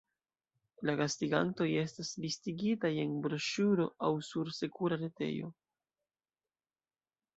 La gastigantoj estas listigitaj en broŝuro aŭ sur sekura retejo.